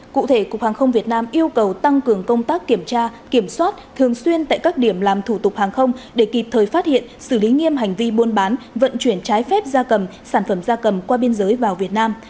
cụ thể cục hàng không việt nam yêu cầu tăng cường công tác kiểm tra kiểm soát thường xuyên tại các điểm làm thủ tục hàng không để kịp thời phát hiện xử lý nghiêm hành vi buôn bán vận chuyển trái phép gia cầm sản phẩm da cầm qua biên giới vào việt nam